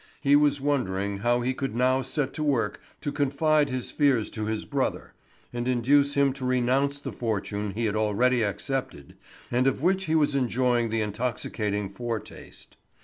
He was wondering how he could now set to work to confide his fears to his brother, and induce him to renounce the fortune he had already accepted and of which he was enjoying the intoxicating foretaste.